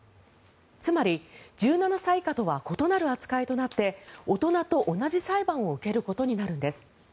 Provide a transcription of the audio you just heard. つまり、１７歳以下とは異なる扱いとなって大人と同じ裁判を受けることになるんです。